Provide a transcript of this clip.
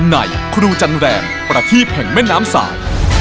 ในครูจันแรมประทีบแห่งแม่น้ำสาย